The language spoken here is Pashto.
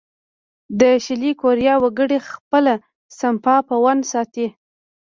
د شلي کوریا وګړي خپله سپما په وون ساتي.